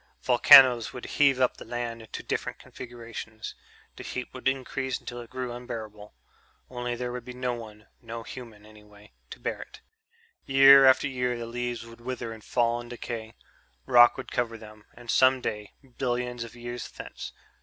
Volcanoes would heave up the land into different configurations. The heat would increase until it grew unbearable ... only there would be no one no human, anyway to bear it. Year after year the leaves would wither and fall and decay. Rock would cover them. And some day ... billions of years thence